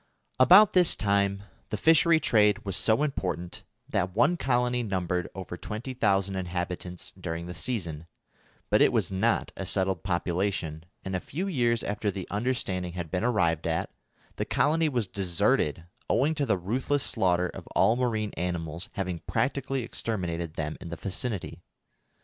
About this time the fishery trade was so important that one colony numbered over 20,000 inhabitants during the season; but it was not a settled population, and a few years after the understanding had been arrived at, the colony was deserted owing to the ruthless slaughter of all marine animals having practically exterminated them in the vicinity.